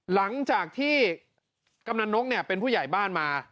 หลังจากที่กำนันนกเป็นผู้ใหญ่บ้านมา